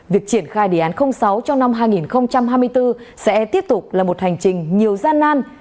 việc triển khai đề án sáu trong năm hai nghìn hai mươi bốn sẽ tiếp tục là một hành trình nhiều gian nan